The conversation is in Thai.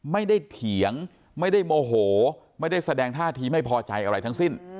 เถียงไม่ได้โมโหไม่ได้แสดงท่าทีไม่พอใจอะไรทั้งสิ้น